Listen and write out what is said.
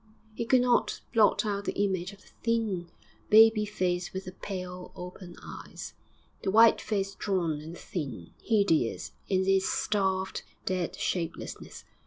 He could not blot out the image of the thin, baby face with the pale, open eyes, the white face drawn and thin, hideous in its starved, dead shapelessness.